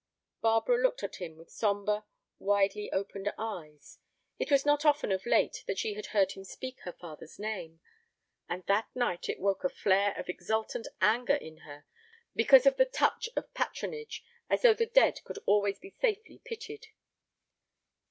Barbara looked at him with sombre, widely opened eyes. It was not often of late that she had heard him speak her father's name. And that night it woke a flare of exultant anger in her, because of the touch of patronage, as though the dead could always be safely pitied.